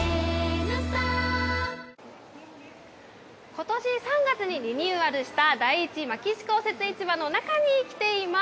今年３月にリニューアルした第一牧志公設市場の中に来ています。